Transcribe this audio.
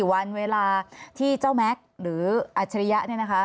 วันเวลาที่เจ้าแม็กซ์หรืออัจฉริยะเนี่ยนะคะ